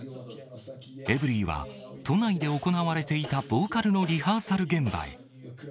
エブリィは都内で行われていたボーカルのリハーサル現場へ。